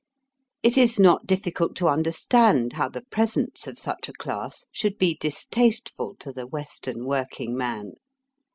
It is not difficult to understand how the presence of such a class should be distasteful to the Western working man.